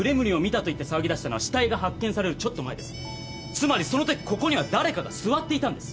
つまりそのときここにはだれかが座っていたんです。